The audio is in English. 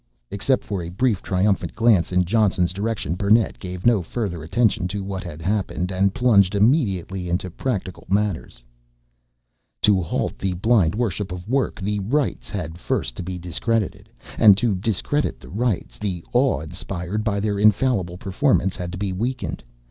Except for a brief, triumphant glance in Johnson's direction, Burnett gave no further attention to what had happened and plunged immediately into practical matters. To halt the blind worship of work, the Rites had first to be discredited. And to discredit the Rites, the awe inspired by their infallible performance had to be weakened.